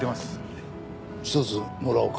一つもらおうか。